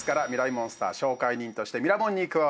モンスター紹介人として『ミラモン』に加わります。